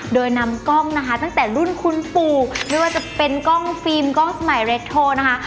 โดยนำกล้องนะคะตั้งแต่รุ่นคุณปู่ไม่ว่าจะเป็นกล้องฟิล์มกล้องใหม่เรสโทรนะคะ